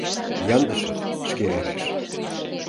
Яндышев шке ӧреш.